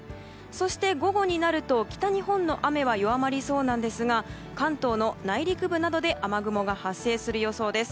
そして、午後になると北日本の雨は弱まりそうですが関東の内陸部などで雨雲が発生する予想です。